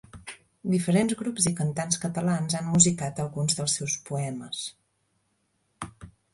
Diferents grups i cantants catalans han musicat alguns dels seus poemes.